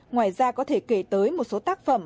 ngoài ra có thể kể tới một số tác phẩm